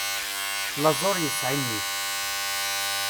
Laẓ ur yesɛi nnif.